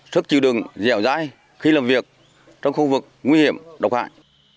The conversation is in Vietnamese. sức chịu đựng dẻo dai khi làm việc trong khu vực nguy hiểm độc hại